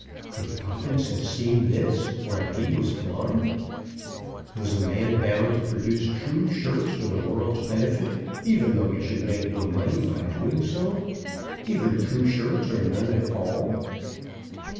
Could Poppins have seen this, while he was blind? Was a man bound to produce true shirts for the world's benefit even though he should make no money by so doing; either true shirts or none at all?